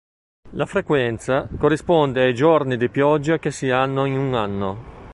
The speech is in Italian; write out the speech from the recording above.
La "frequenza" corrisponde ai giorni di pioggia che si hanno in un anno.